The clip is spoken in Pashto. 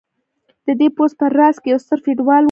د دې پوځ په راس کې یو ستر فیوډال و.